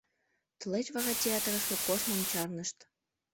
Тылеч вара театрышке коштмым чарнышт.